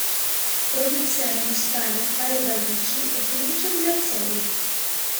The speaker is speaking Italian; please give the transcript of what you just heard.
Produzione Musicale Mario Balducci e Pinuccio Pirazzoli.